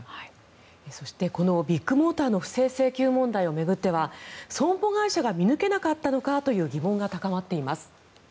ビッグモーターの不正請求問題を巡っては損保会社が見抜けなかったのかという疑問が高まっています。